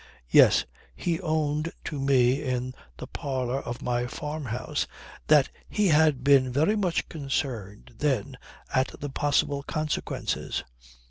Yes. He owned to me in the parlour of my farmhouse that he had been very much concerned then at the possible consequences.